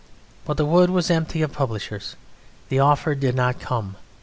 But the wood was empty of publishers. The offer did not come.